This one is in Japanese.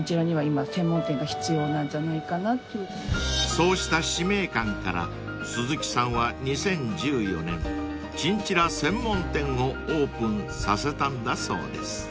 ［そうした使命感から鈴木さんは２０１４年チンチラ専門店をオープンさせたんだそうです］